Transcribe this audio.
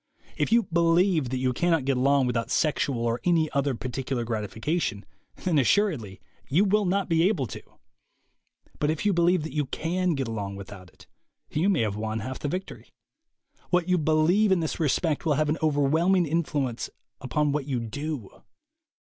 If you believe that you cannot get along without sexual or any other particular gratification, then assuredly you will not be able to. But if you believe that you can get along with out it, you may have won half the victory. What you believe in this respect will have an overwhelm ing influence upon what you do.